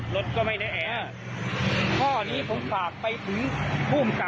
ลดก็ไม่แน่ข้อนี้ผมฝากไปถึงคุมกับสนประเวทนะครับ